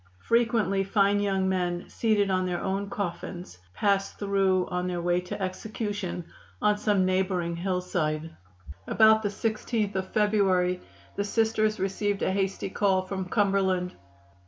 Frequently fine young men, seated on their own coffins, passed through on their way to execution on some neighboring hillside." About the 16th of February the Sisters received a hasty call from Cumberland.